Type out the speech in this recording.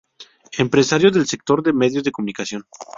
Empresario del sector de medios de comunicación.